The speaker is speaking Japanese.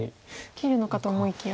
切るのかと思いきや。